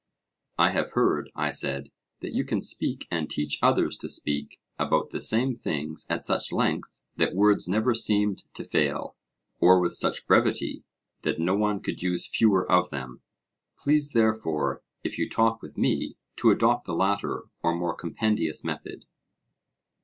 I have heard, I said, that you can speak and teach others to speak about the same things at such length that words never seemed to fail, or with such brevity that no one could use fewer of them. Please therefore, if you talk with me, to adopt the latter or more compendious method.